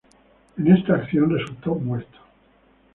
En esta acción resultó muerto.